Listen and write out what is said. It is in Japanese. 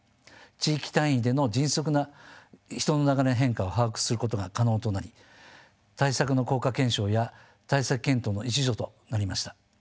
地域単位での迅速な人の流れの変化を把握することが可能となり対策の効果検証や対策検討の一助となりました。